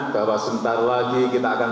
bahwa sebentar lagi kita akan